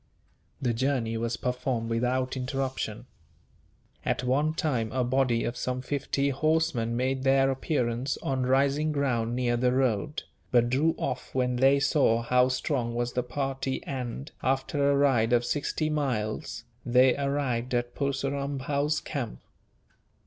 The journey was performed without interruption. At one time, a body of some fifty horsemen made their appearance on rising ground near the road, but drew off when they saw how strong was the party and, after a ride of sixty miles, they arrived at Purseram Bhow's camp.